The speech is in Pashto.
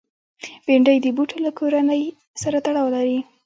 بېنډۍ د بوټو له کورنۍ سره تړاو لري